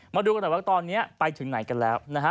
มาดูกันหน่อยว่าตอนนี้ไปถึงไหนกันแล้วนะฮะ